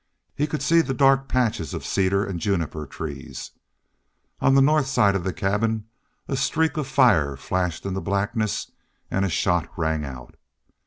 He could see the dark patches of cedar and juniper trees. On the north side of the cabin a streak of fire flashed in the blackness, and a shot rang out.